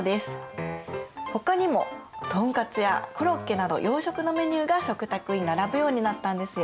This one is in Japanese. ほかにもトンカツやコロッケなど洋食のメニューが食卓に並ぶようになったんですよ。